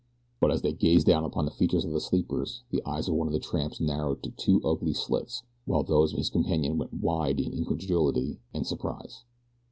But as they gazed down upon the features of the sleepers the eyes of one of the tramps narrowed to two ugly slits while those of his companion went wide in incredulity and surprise.